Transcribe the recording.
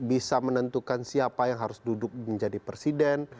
bisa menentukan siapa yang harus duduk menjadi presiden